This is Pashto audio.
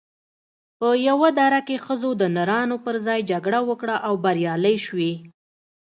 په یوه دره کې ښځو د نرانو پر ځای جګړه وکړه او بریالۍ شوې